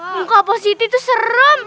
muka positi tuh serem